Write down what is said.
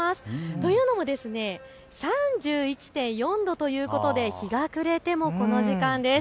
というのも３１．４度ということで日が暮れてもこの時間です。